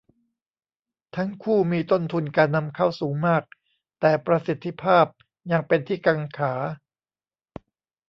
ทั้งคู่มีต้นทุนการนำเข้าสูงมาก แต่ประสิทธิภาพยังเป็นที่กังขา